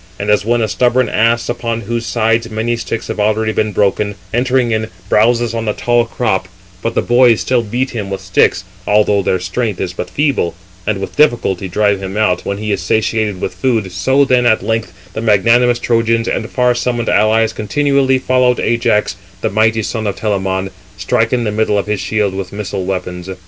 And as when a stubborn ass, upon whose sides 379 many sticks have already been broken, entering in, browses on the tall crop, but the boys still beat him with sticks, although their strength is but feeble, and with difficulty drive him out, when he is satiated with food, so then at length the magnanimous Trojans and far summoned allies continually followed Ajax, the mighty son of Telamon, striking the middle of his shield with missile weapons.